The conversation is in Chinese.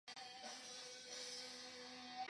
这里原本正式名称是布罗姆利。